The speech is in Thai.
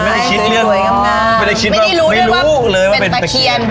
ไม่ได้คิดเรื่องช่วยหวยงำงานไม่ได้คิดว่าไม่รู้เลยว่าเป็นปะเคียน